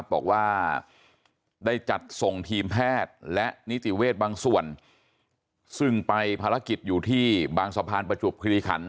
บอกว่าได้จัดส่งทีมแพทย์และนิติเวชบางส่วนซึ่งไปภารกิจอยู่ที่บางสะพานประจวบคิริขัน